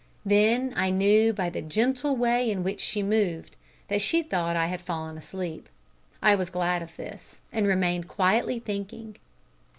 Then I knew by the gentle way in which she moved that she thought I had fallen asleep. I was glad of this, and remained quietly thinking.